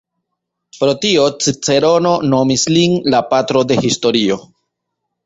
Pro tio Cicerono nomis lin "la patro de historio".